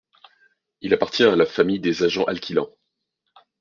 Il appartient à la famille des agents alkylants.